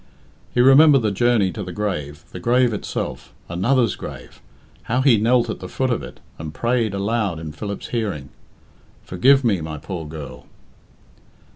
He remembered the journey to the grave, the grave itself another's grave how he knelt at the foot of it, and prayed aloud in Philip's hearing, "Forgive me, my poor girl!"